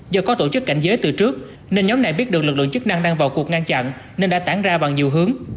do có tổ chức cảnh giới từ trước nên nhóm này biết được lực lượng chức năng đang vào cuộc ngăn chặn nên đã tản ra bằng nhiều hướng